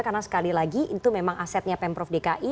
karena sekali lagi itu memang asetnya pemprov dki